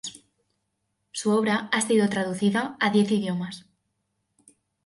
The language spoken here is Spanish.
Su obra ha sido traducida a diez idiomas.